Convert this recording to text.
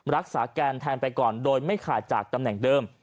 แกนแทนไปก่อนโดยไม่ขาดจากตำแหน่งเดิม